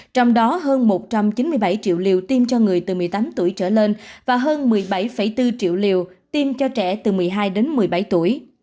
trong đó hơn một trăm chín mươi bảy triệu liều tiêm cho người từ một mươi tám tuổi trở lên và hơn một mươi bảy bốn triệu liều tiêm cho trẻ từ một mươi hai đến một mươi bảy tuổi